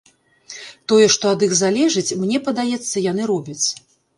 Тое, што ад іх залежыць, мне падаецца, яны робяць.